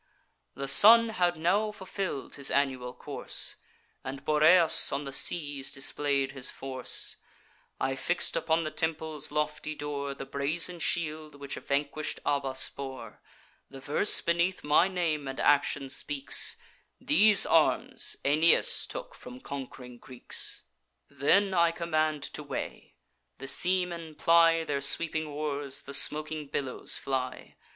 The sun had now fulfill'd his annual course, And Boreas on the seas display'd his force: I fix'd upon the temple's lofty door The brazen shield which vanquish'd Abas bore; The verse beneath my name and action speaks: 'These arms Aeneas took from conqu'ring Greeks.' Then I command to weigh; the seamen ply Their sweeping oars; the smoking billows fly.